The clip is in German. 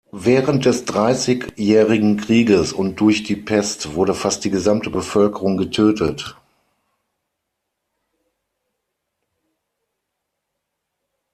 Während des Dreißigjährigen Krieges und durch die Pest wurde fast die gesamte Bevölkerung getötet.